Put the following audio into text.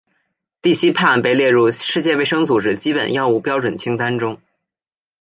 地西泮被列入世界卫生组织基本药物标准清单中。